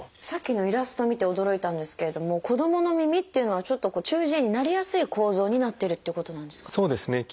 さっきのイラスト見て驚いたんですけれども子どもの耳っていうのはちょっとこう中耳炎になりやすい構造になってるっていうことなんですか？